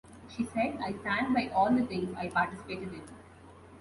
She said, I stand by all the things I participated in ...